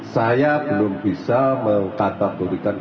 saya belum bisa mengatakan